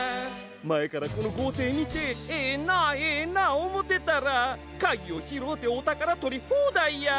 まえからこのごうていみてエナエナおもうてたらかぎをひろうておたからとりほうだいや。